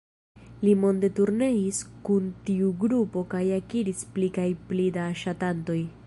Li monde turneis kun tiu grupo kaj akiris pli kaj pli da ŝatantoj.